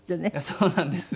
そうなんです。